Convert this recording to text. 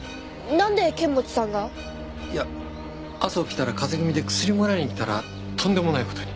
なんで剣持さんが？いや朝起きたら風邪気味で薬もらいに来たらとんでもない事に。